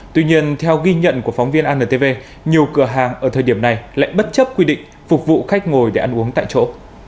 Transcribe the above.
tuy nhiên theo ghi nhận của phóng viên antv nhiều cửa hàng ở thời điểm này lại bất chấp quy định phục vụ khách ngồi để ăn uống tại chỗ